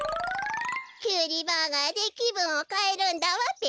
きゅうりバーガーできぶんをかえるんだわべ。